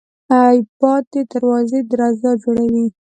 باد د دروازې درزا جوړوي